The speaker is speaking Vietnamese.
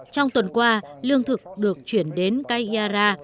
trong tuần qua lương thực được chuyển đến kayara